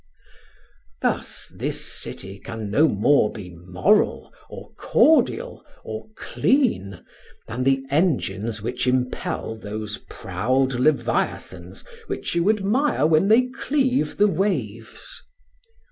Thus this city can no more be moral, or cordial, or clean, than the engines which impel those proud leviathans which you admire when they cleave the waves!